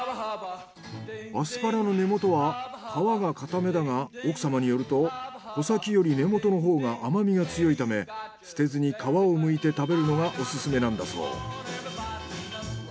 アスパラの根元は皮が硬めだが奥様によると穂先より根元のほうが甘みが強いため捨てずに皮をむいて食べるのがオススメなんだそう。